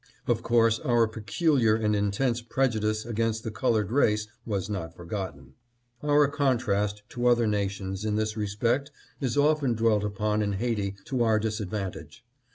Of course our peculiar and intense prejudice against the colored race was not forgotten. Our con trast to other nations, in this respect, is often dwelt upon in Haiti to our disadvantage.